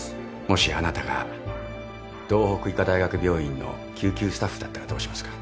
もしあなたが道北医科大学病院の救急スタッフだったらどうしますか？